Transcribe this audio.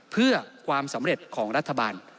เพื่อความสำเร็จของรัฐบาล